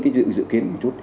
cái dự kiến một chút